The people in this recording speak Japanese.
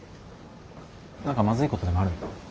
何かまずいことでもあるの？